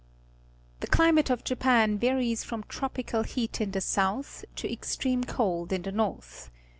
The climate of Japan varies from tropi cal heat in the south to extreme cold in the north.